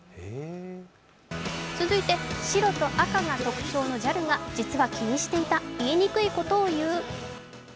続いて白と赤が特徴のＪＡＬが実は気にしていた言いにくいことを言う。